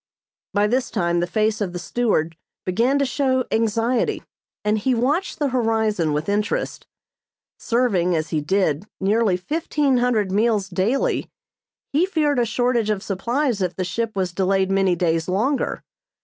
By this time the face of the steward began to show anxiety and he watched the horizon with interest. Serving, as he did, nearly fifteen hundred meals daily, he feared a shortage of supplies if the ship was delayed many days longer.